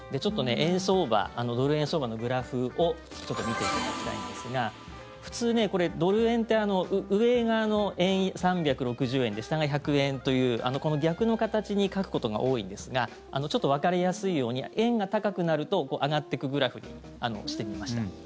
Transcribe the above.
円相場、ドル円相場のグラフを見ていただきたいんですが普通、ドル円って上が３６０円で下が１００円というこの逆の形に書くことが多いんですがちょっとわかりやすいように円が高くなると上がっていくグラフにしてみました。